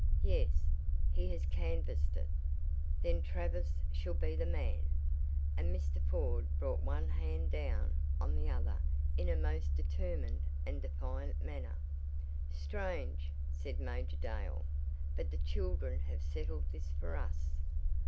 "Yes, he has canvassed it." "Then Travers shall be the man!" and Mr. Ford brought one hand down on the other in a most determined, and defiant manner. "Strange," said Major Dale, "but the children have settled this for us.